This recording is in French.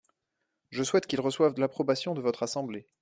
Je souhaite qu’il reçoive l’approbation de votre assemblée.